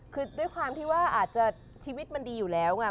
คือด้วยความที่ว่าอาจจะชีวิตมันดีอยู่แล้วไง